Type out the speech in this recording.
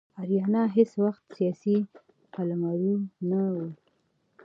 آریانا هیڅ وخت سیاسي قلمرو نه و.